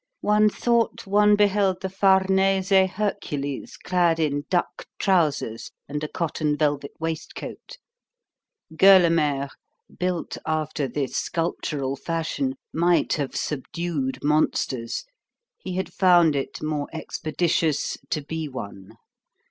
One thought one beheld the Farnese Hercules clad in duck trousers and a cotton velvet waistcoat. Gueulemer, built after this sculptural fashion, might have subdued monsters; he had found it more expeditious to be one.